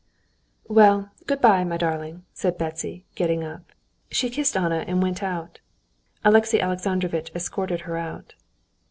"Well, good bye, my darling," said Betsy, getting up. She kissed Anna, and went out. Alexey Alexandrovitch escorted her out.